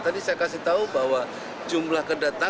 tadi saya kasih tahu bahwa jumlah kedatangan